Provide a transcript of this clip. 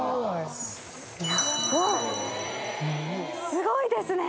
すごいですね！